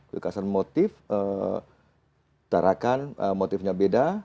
kekasan motif tarakan motifnya beda